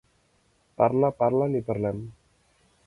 Parla, parlen i parlem.